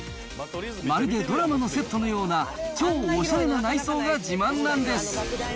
まるでドラマのセットのような、超おしゃれな内装が自慢なんです。